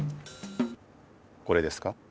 これですか？